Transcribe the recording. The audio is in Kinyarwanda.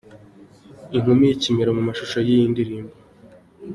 Inkumi y'ikimero mu mashusho y'iyi ndirimbo.